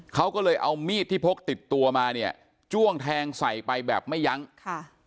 เขาก็เลยเอามีดที่พกติดตัวมาเนี่ยจ้วงแทงใส่ไปแบบไม่ยั้งค่ะ